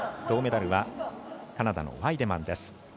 銅メダルがカナダのワイデマン。